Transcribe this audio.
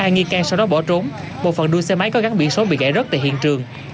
hai nghi can sau đó bỏ trốn một phần đuôi xe máy có gắn biển số bị gãy rớt tại hiện trường